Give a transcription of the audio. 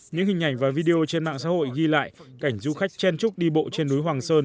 những hình ảnh và video trên mạng xã hội ghi lại cảnh du khách chen trúc đi bộ trên núi hoàng sơn